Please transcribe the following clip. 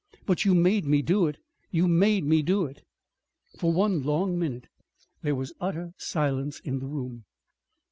But you made me do it, you made me do it!" For one long minute there was utter silence in the room.